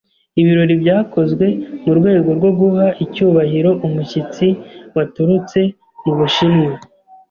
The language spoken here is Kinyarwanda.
Ibirori byakozwe mu rwego rwo guha icyubahiro umushyitsi waturutse mu Bushinwa.